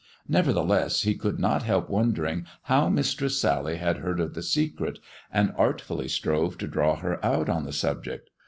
Never theless, he could not help wondering how Mistress Sally had heard of the secret, and artfully strove to draw her out on the subject.